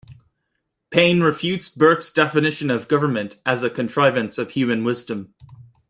Paine refutes Burke's definition of Government as "a contrivance of human wisdom".